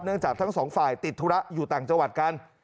เนื่องจากทั้ง๒ฝ่ายติดธุระอยู่ต่างจัวราชกัน